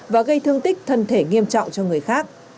và gây thương tích thân thể nghiêm trọng cho người khác